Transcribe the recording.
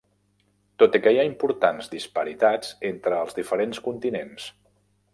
Tot i que hi ha importants disparitats entre els diferents continents.